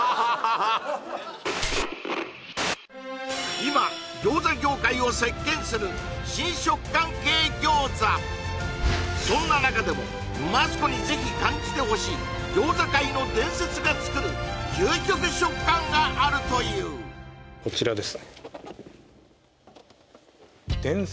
今今そんな中でもマツコに是非感じてほしい餃子界の伝説が作る究極食感があるというこちらです